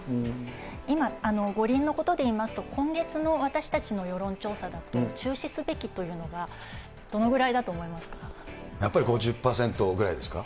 今、五輪のことでいいますと、今月の私たちの世論調査だと、中止すべきというのがどのぐらいやっぱり５０％ぐらいですか？